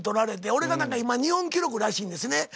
俺が何か今日本記録らしいんですね。